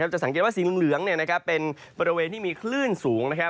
จะสังเกตว่าสีเหลืองเป็นบริเวณที่มีคลื่นสูง